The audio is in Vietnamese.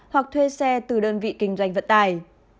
hoặc thuê xe từ đơn vị kinh doanh vận tải